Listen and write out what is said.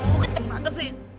gue kecepatan sih